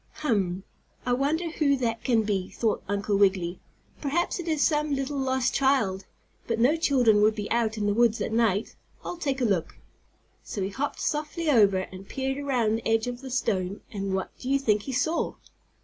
"Hum, I wonder who that can be?" thought Uncle Wiggily. "Perhaps it is some little lost child; but no children would be out in the woods at night. I'll take a look." So he hopped softly over, and peered around the edge of the stone, and what do you think he saw?